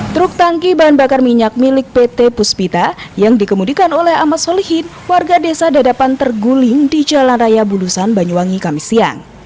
truk tangki bahan bakar minyak milik pt puspita yang dikemudikan oleh amas solihin warga desa dadapan terguling di jalan raya bulusan banyuwangi kami siang